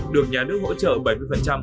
được nhà nước hỗ trợ bảy mươi